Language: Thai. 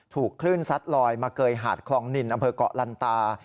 ถูกคลื่นซัดลอยมาเกยหาดคลองนินอำเภอกเกาะลันตา